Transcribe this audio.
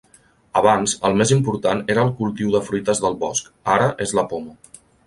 Abans, el més important era el cultiu de fruites del bosc; ara és la poma.